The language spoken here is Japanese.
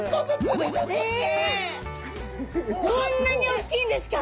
こんなにおっきいんですか？